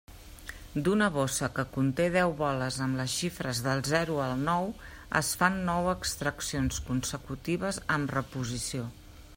D'una bossa que conté deu boles amb les xifres del zero al nou es fan nou extraccions consecutives amb reposició.